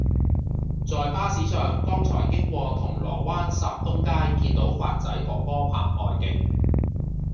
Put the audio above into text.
在巴士上剛才經過銅鑼灣霎東街見到發仔哥哥拍外景